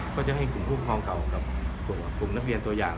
ก็จะให้กลุ่มผู้ปกครองเก่ากับกลุ่มนักเรียนตัวอย่าง